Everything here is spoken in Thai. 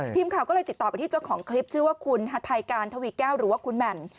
ทีมข่าวก็เลยติดต่อไปที่เจ้าของคลิปชื่อว่าคุณฮาไทยการทวีแก้วหรือว่าคุณแหม่ม